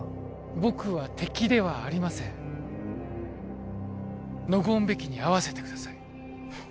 僕は敵ではありませんノゴーン・ベキに会わせてください